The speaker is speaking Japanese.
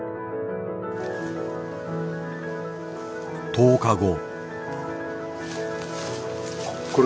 １０日後。